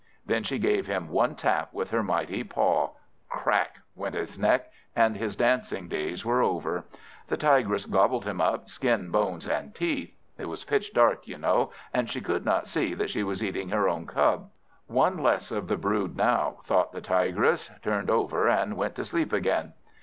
Then she gave him one tap with her mighty paw; crack! went his neck, and his dancing days were over; the Tigress gobbled him up, skin, bones, and teeth. It was pitch dark, you know, and she could not see that she was eating her own cub. "One less of the brood now," thought the Tigress; turned over, and went to sleep again.